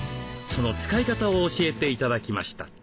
その使い方を教えて頂きました。